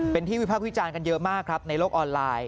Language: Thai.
เป็นที่วิภาควิจารณ์กันเยอะมากครับในโลกออนไลน์